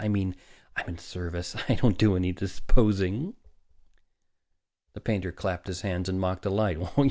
I mean, I'm in service. I don't do any disposing." The painter clapped his hands in mock delight.